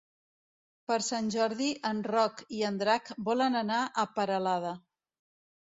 Per Sant Jordi en Roc i en Drac volen anar a Peralada.